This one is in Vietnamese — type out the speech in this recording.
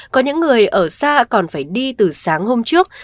có những người ở xa còn phải đi từ sáng hôm trước